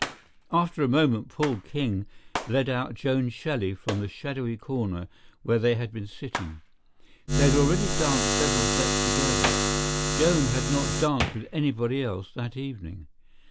After a moment Paul King led out Joan Shelley from the shadowy corner where they had been sitting. They had already danced several sets together; Joan had not danced with anybody else that evening.